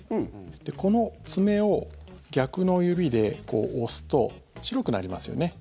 この爪を逆の指で押すと白くなりますよね。